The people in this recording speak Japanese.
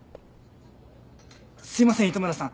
すいません糸村さん